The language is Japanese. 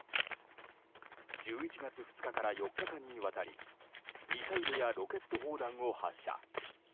１１月２日から４日間にわたりミサイルやロケット砲弾を発射。